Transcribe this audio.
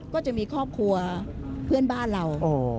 ก็จะมีครอบครัวเพื่อนบ้านเรา